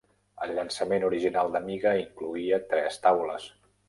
El llançament original d'Amiga incloïa tres taules.